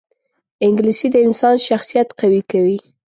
انګلیسي د انسان شخصیت قوي کوي